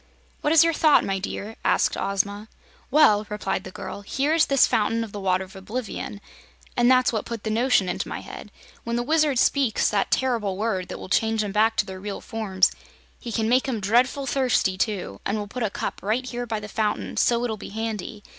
"What is your thought, my dear?" asked Ozma. "Well," replied the girl, "here is this Fountain of the Water of Oblivion, and that's what put the notion into my head. When the Wizard speaks that ter'ble word that will change 'em back to their real forms, he can make 'em dreadful thirsty, too, and we'll put a cup right here by the fountain, so it'll be handy.